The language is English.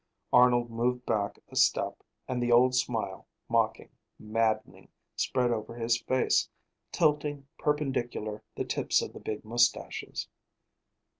Arnold moved back a step and the old smile, mocking, maddening, spread over his face; tilting, perpendicular, the tips of the big moustaches.